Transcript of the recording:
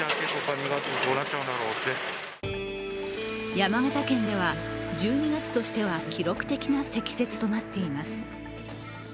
山形県では１２月としては記録的な積雪となっています。